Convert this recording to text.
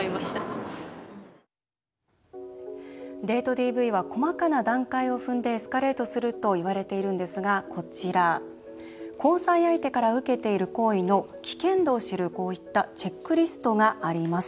ＤＶは細かな段階を踏んでエスカレートするといわれているんですが、こちら交際相手から受けている行為の危険度を知る、こういったチェックリストがあります。